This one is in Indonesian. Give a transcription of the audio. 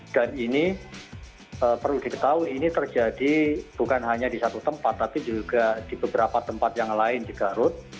dan ini perlu diketahui ini terjadi bukan hanya di satu tempat tapi juga di beberapa tempat yang lain di garut